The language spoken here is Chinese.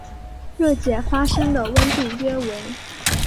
热解发生的温度约为。